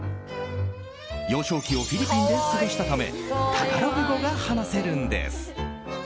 幼少期をフィリピンで過ごしたためタガログ語が話せるんです。